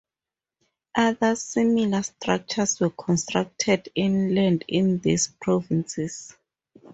Other similar structures were constructed inland in these provinces.